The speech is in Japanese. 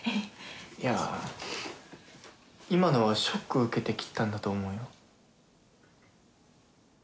いや今のはショック受けて切ったんだと思うよ？